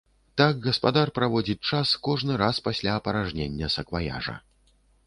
Так гаспадар праводзіць час кожны раз пасля апаражнення сакваяжа.